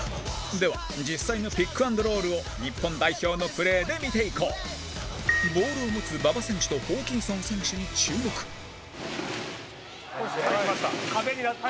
では実際のピック＆ロールを日本代表のプレーで見ていこうボールを持つ馬場選手とホーキンソン選手に注目副島：壁になった。